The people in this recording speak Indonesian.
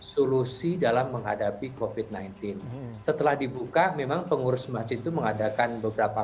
solusi dalam menghadapi kofit sembilan belas setelah dibuka memang pengurus masjid itu mengadakan beberapa